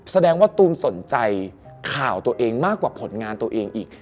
แสดงว่าตูมสนใจข่าวตัวเองมากกว่าผลงานตัวเองอีก